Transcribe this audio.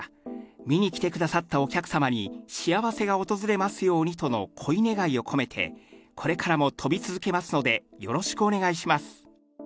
見に来てくださったお客様に幸せが訪れますようにとのこい願いを込めて、これからもとび続けますので、よろしくお願いします。